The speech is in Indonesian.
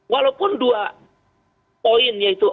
walaupun dua poin yaitu